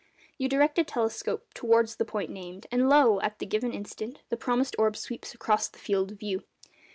You direct a telescope towards the point named, and lo! at the given instant, the promised orb sweeps across the field of view.